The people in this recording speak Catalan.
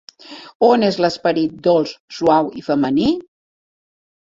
On és l'esperit dolç, suau i femení?